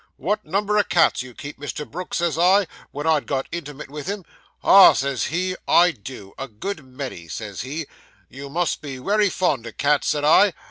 "What a number o' cats you keep, Mr. Brooks," says I, when I'd got intimate with him. "Ah," says he, "I do a good many," says he, "You must be wery fond o' cats," says I.